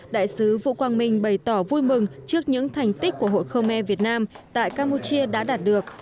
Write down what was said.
đại sứ vũ quang minh bày tỏ vui mừng trước những thành tích của hội khơ me việt nam tại campuchia đã đạt được